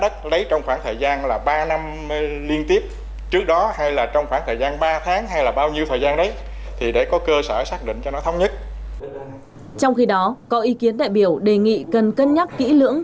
trong khi đó có ý kiến đại biểu đề nghị cần cân nhắc kỹ lưỡng